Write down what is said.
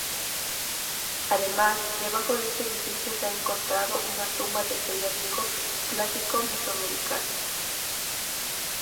Además, debajo de este edificio se ha encontrado una tumba del Período Clásico mesoamericano.